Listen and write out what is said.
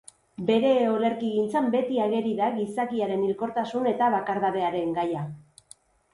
Bere olerkigintzan beti ageri da gizakiaren hilkortasun eta bakardadearen gaia.